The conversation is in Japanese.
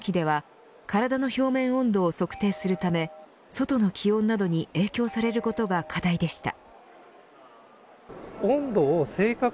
これまでの一般的な検温器では体の表面温度を測定するため外の気温などに影響されることが課題でした。